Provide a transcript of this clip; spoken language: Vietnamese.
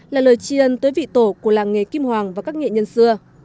là lời tri ân tới vị tổ của làng nghề kim hoàng và các nghệ nhân xưa